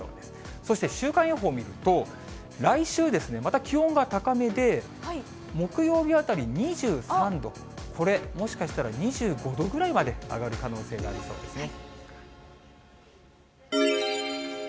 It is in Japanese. そして週間予報見ると、来週、また気温が高めで、木曜日あたり、２３度、これ、もしかしたら２５度ぐらいまで上がる可能性がありそうですね。